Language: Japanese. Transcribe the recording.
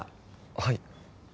はい。